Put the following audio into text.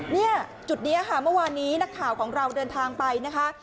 เนี่ยจุดนี้ค่ะเมื่อวานนี้นักข่าวของเราเดินทางไปนะคะ